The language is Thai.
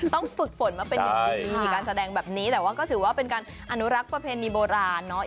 ฝึกฝนมาเป็นอย่างดีการแสดงแบบนี้แต่ว่าก็ถือว่าเป็นการอนุรักษ์ประเพณีโบราณเนาะ